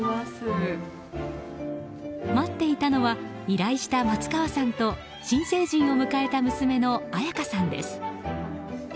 待っていたのは依頼した松川さんと新成人を迎えた娘の綾夏さんです。